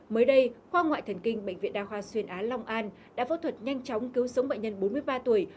mới đây khoa ngoại thần kinh bệnh viện đa khoa xuyên á long an đã phẫu thuật nhanh chóng cứu sống bệnh nhân bốn mươi ba tuổi